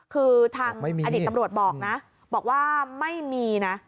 คือทางอดีตตำรวจบอกนะบอกว่าไม่มีนะ